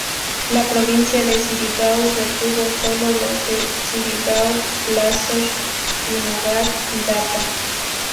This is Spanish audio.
La provincia de Surigao retuvo sólo los de Surigao, Placer, Dinagat y Dapa.